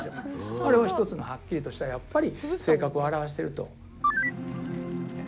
あれは一つのはっきりとした性格を表してると。